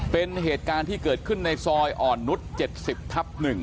เป็นเหตุการณ์ที่เกิดขึ้นในซอยอ่อนนุษย์๗๐ทับ๑